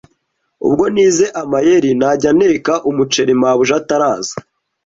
Ubwo nize amayeri, najya nteka umuceri Mabuja ataraza,